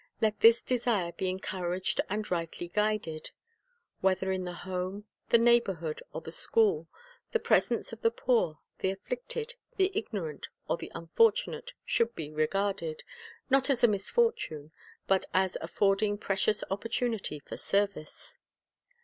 Let this desire be encouraged and rightly guided. Whether in the home, the neighborhood, or the school, the presence of the poor, the afflicted, the ignorant, or the unfortunate, should be regarded, not as a misfortune, but as affording precious opportunity for service.